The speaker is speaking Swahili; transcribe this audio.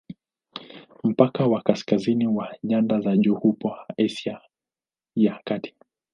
Mpaka wa kaskazini wa nyanda za juu upo Asia ya Kati.